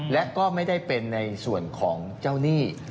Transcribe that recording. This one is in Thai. และก็ไม่ได้เป็นในส่วนของเจ้าหนี้